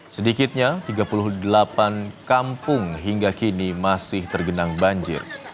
sedikitnya tiga puluh delapan kampung hingga kini masih tergenang banjir